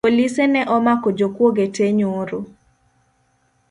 Polise ne omako jokwoge tee nyoro